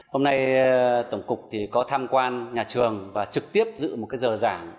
hôm nay tổng cục có tham quan nhà trường và trực tiếp dự một cái giờ giảng